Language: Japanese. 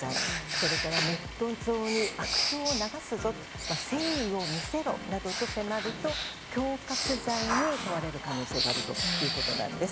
それからネット上に悪評を流すぞ誠意を見せろなどと迫ると恐喝罪に問われる可能性があるということです。